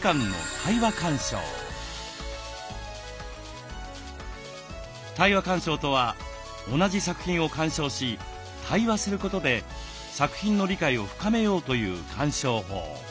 対話鑑賞とは同じ作品を鑑賞し対話することで作品の理解を深めようという鑑賞法。